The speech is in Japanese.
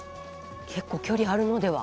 結構距離あるのでは？